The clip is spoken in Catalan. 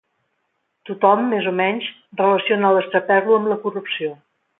Tothom, més o menys, relaciona l'estraperlo amb la corrupció.